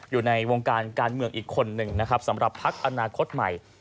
อยู่ในวงการการเมืองอีกคนหนึ่งนะครับสำหรับพักอนาคตใหม่